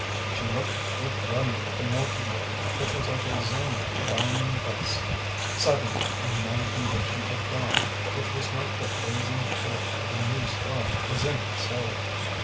She looked with wonder at the Milky Way, which was like a zone of diamond dust. Suddenly a mighty conviction of God, which was like the blazing forth of a new star, was in her soul.